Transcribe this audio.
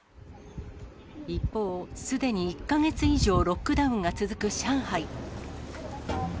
一方、すでに１か月以上、ロックダウンが続く上海。